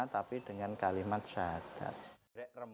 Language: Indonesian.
tapi dengan kalimat syahadat